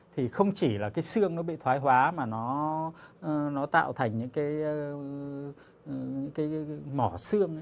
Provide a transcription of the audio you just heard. thì không chỉ là cái xương nó bị thoái hóa mà nó tạo thành những cái mỏ xương